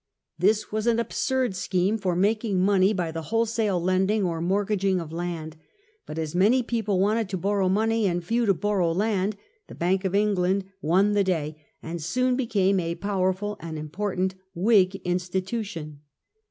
This was an absurd scheme for mak ing money by the wholesale lending or mortgaging of land: but as many people wanted to borrow money and few to borrow land, the Bank of England won the day, and soon became a powerful and important Whig institution.